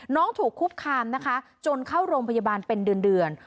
ถูกคุกคามนะคะจนเข้าโรงพยาบาลเป็นเดือน